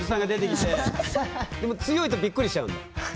でも強いとびっくりしちゃうんだ。